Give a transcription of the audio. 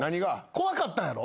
怖かったんやろ？